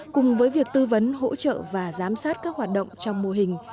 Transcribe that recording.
cùng với việc tư vấn hỗ trợ và giám sát các hoạt động trong mô hình